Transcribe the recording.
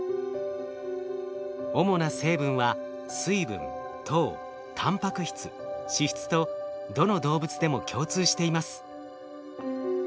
主な成分は水分糖タンパク質脂質とどの動物でも共通しています。